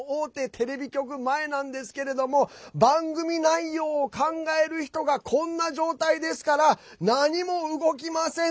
テレビ局前なんですけれども番組内容を考える人がこんな状態ですから何も動きません。